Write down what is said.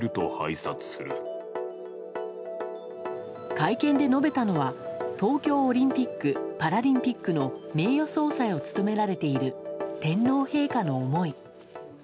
会見で述べたのは東京オリンピック・パラリンピックの名誉総裁を務められている天皇陛下の思い。